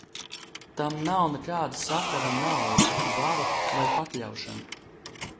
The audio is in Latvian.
Tam nav nekāda sakara ar naudu, varu vai pakļaušanu.